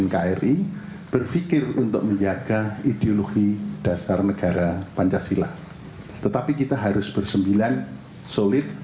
ketua mk dianggap sebagai ketua mk di dua ribu tujuh belas